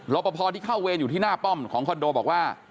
ปภที่เข้าเวรอยู่ที่หน้าป้อมของคอนโดบอกว่า